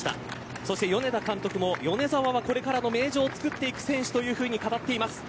そして米田監督も米澤はこれからの名城を作っていく選手と語っています。